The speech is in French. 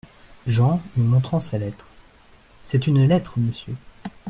Jean, lui montrant sa lettre. — C’est une lettre, Monsieur.